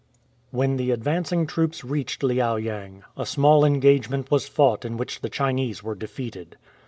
When the advancing troops reached Liao yang, a small engagement was fought in which the Chinese were de feated.